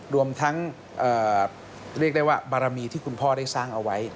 รวมทั้งเรียกได้ว่าบารมีที่คุณพ่อได้สร้างเอาไว้